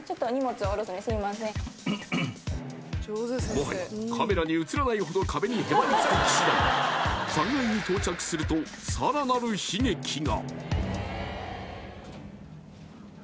もはやカメラに映らないほど壁にへばりつく岸だが３階に到着するとさらなる悲劇が！